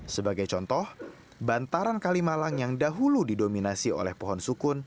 sebagai contoh bantaran kalimalang yang dahulu didominasi oleh pohon sukun